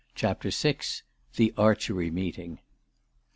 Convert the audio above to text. CHAPTER VI. THE ARCHERY MEETING.